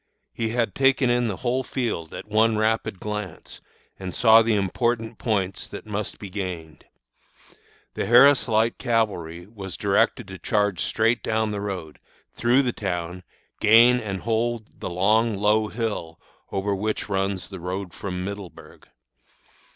He had taken in the whole field at one rapid glance, and saw the important points that must be gained. The Harris Light Cavalry was directed to charge straight down the road, through the town, gain and hold the long, low hill over which runs the road from Middleburg.